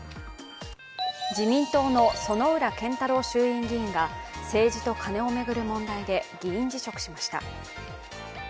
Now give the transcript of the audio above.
自民党の薗浦健太郎衆院議員が政治とカネを巡る問題で議員辞職しました。